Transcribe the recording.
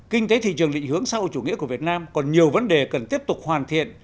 kinh tế thị trường định hướng xã hội chủ nghĩa của việt nam còn nhiều vấn đề cần tiếp tục hoàn thiện